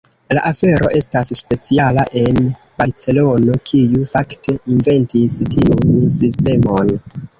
La afero estas speciala en Barcelono, kiu fakte “inventis” tiun sistemon.